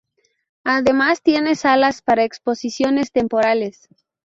Además tiene salas para exposiciones temporales.